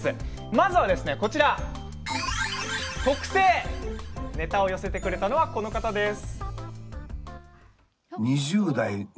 まずは特性ネタを寄せてくれたのはこの方です。